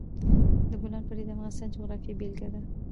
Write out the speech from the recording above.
د بولان پټي د افغانستان د جغرافیې بېلګه ده.